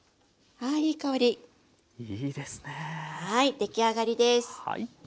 出来上がりです。